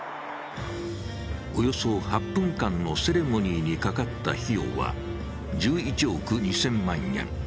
およそ８分間のセレモニーにかかった費用は１１億２０００万円。